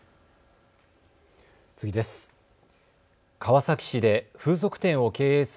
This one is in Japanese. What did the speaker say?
次です。